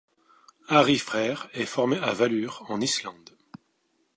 Ari Freyr est formé à Valur, en Islande.